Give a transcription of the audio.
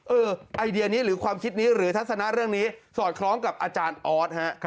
ไอเดียนี้หรือความคิดนี้หรือทัศนะเรื่องนี้สอดคล้องกับอาจารย์ออสฮะ